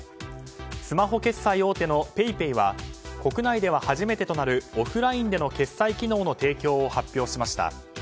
スマホ決済大手のＰａｙＰａｙは国内では初めてとなるオフラインでの決済機能の提供を発表しました。